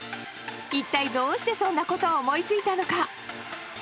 一体どうしてそんなことを思いついたのか。